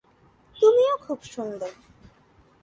তুমিও খুব সুন্দর।